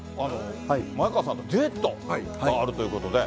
ただ、梅沢さんと前川さんのデュエットがあるということで。